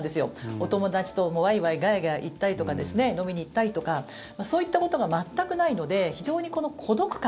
お友達とワイワイガヤガヤ言ったりとか飲みに行ったりとかそういったことが全くないので非常に孤独感